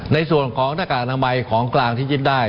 ในส่วนของหน้ากากอนามัยของกลางที่ยึดได้